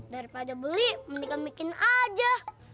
daripada beli mendingan bikin aja